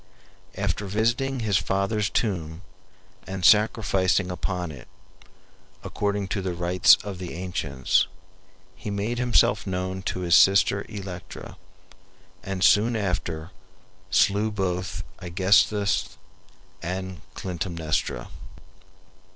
After visiting his father's tomb and sacrificing upon it, according to the rites of the ancients, he made himself known to his sister Electra, and soon after slew both Aegisthus and Clytemnestra.